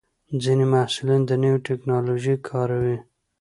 ځینې محصلین د نوې ټکنالوژۍ کاروي.